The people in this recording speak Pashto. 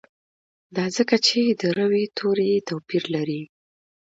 دا ځکه چې د روي توري یې توپیر لري.